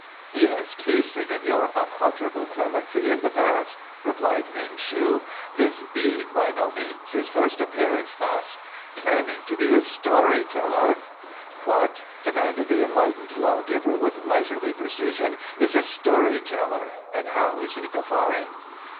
"He has tasted of your unutterable clemency in the past," replied Ming shu, "this being by no means his first appearance thus. Claiming to be a story teller " "What," demanded the enlightened law giver with leisurely precision, "is a story teller, and how is he defined?"